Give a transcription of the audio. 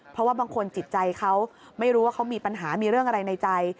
เพราะว่าบางคนจิตใจเขาไม่รู้ว่าเขามีปัญหามีเรื่องอะไรในใจ